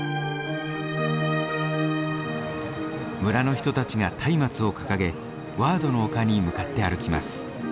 村の人たちがたいまつを掲げワードの丘に向かって歩きます。